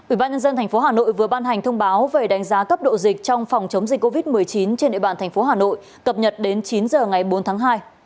ubnd tp hà nội vừa ban hành thông báo về đánh giá cấp độ dịch trong phòng chống dịch covid một mươi chín trên địa bàn tp hà nội cập nhật đến chín h ngày bốn tháng hai